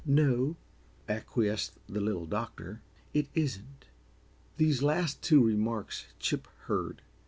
"No," acquiesced the Little Doctor, "it isn't." These last two remarks Chip heard.